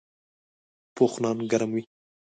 پوخ نان ګرم وي